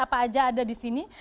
apa aja ada di sini